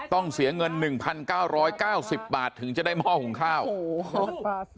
ต้องเสียเงินหนึ่งพันเก้าร้อยเก้าสิบบาทถึงจะได้หม้อหุงข้าวโอ้โห